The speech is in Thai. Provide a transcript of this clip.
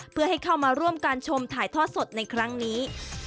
เพื่อให้เข้ามาร่วมการชมถ่ายทอดสดในครั้งนี้